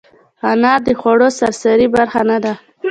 انار د خوړو سرسري برخه نه ده.